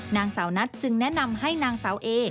นางสาวนัทจึงแนะนำให้นางสาวเอ